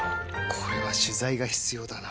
これは取材が必要だな。